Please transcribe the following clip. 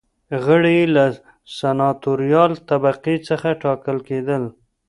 غړي یې له سناتوریال طبقې څخه ټاکل کېدل.